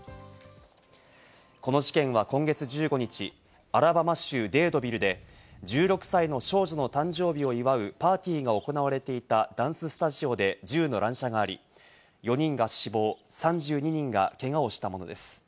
この事件は今月１５日、アラバマ州デードビルで１６歳の少女の誕生日を祝うパーティーが行われていたダンススタジオで銃の乱射があり、４人が死亡、３２人がけがをしたものです。